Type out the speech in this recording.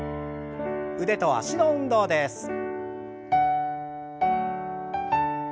腕と脚の運動です。